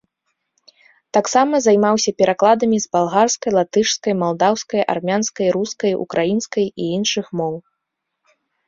Таксама займаўся перакладамі з балгарскай, латышскай, малдаўскай, армянскай, рускай, украінскай і іншых моў.